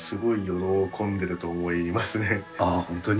本当に？